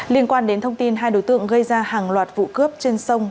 liên quan đến thông tin hai đối tượng gây ra hàng loạt vụ cướp trên sông